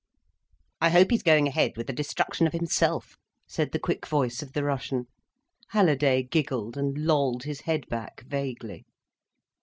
"I hope he's going ahead with the destruction of himself," said the quick voice of the Russian. Halliday giggled, and lolled his head back, vaguely.